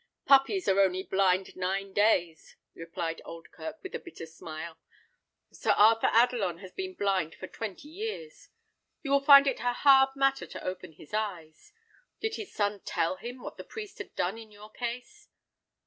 "Puppies are only blind nine days," replied Oldkirk, with a bitter smile. "Sir Arthur Adelon has been blind for twenty years. You will find it a hard matter to open his eyes. Did his son tell him what the priest had done in your case?"